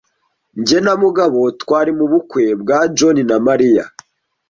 Jye na Mugabo twari mu bukwe bwa John na Mariya.